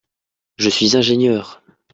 Je suis ingénieur.